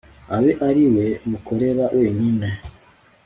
abe ari we mukorera wenyine